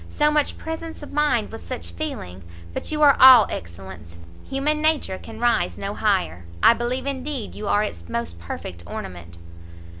so much presence of mind with such feeling! but you are all excellence! human nature can rise no higher! I believe indeed you are its most perfect ornament!"